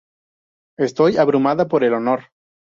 Estoy abrumada por el honor.